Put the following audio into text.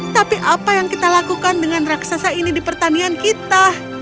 tapi apa yang kita lakukan dengan raksasa ini di pertanian kita